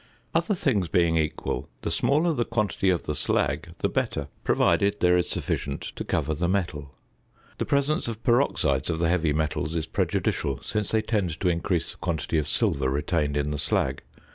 ~ Other things being equal, the smaller the quantity of the slag the better, provided there is sufficient to cover the metal. The presence of peroxides of the heavy metals is prejudicial, since they tend to increase the quantity of silver retained in the slag.